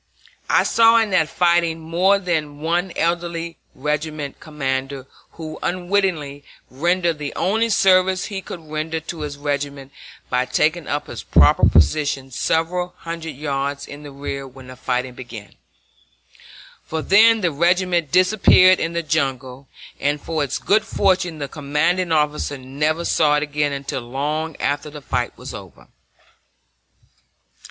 I saw in that fighting more than one elderly regimental commander who unwittingly rendered the only service he could render to his regiment by taking up his proper position several hundred yards in the rear when the fighting began; for then the regiment disappeared in the jungle, and for its good fortune the commanding officer never saw it again until long after the fight was over.